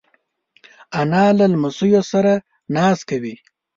انا له لمسیو سره ناز کوي